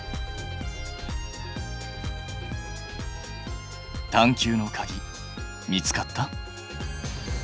探究のかぎ見つかった？